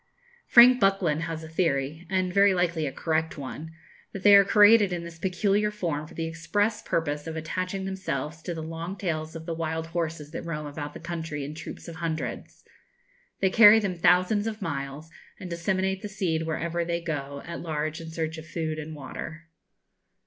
[Illustration: Devils Horns] Frank Buckland has a theory and very likely a correct one that they are created in this peculiar form for the express purpose of attaching themselves to the long tails of the wild horses that roam about the country in troops of hundreds. They carry them thousands of miles, and disseminate the seed wherever they go at large in search of food and water.